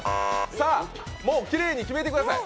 もうきれいに決めてください。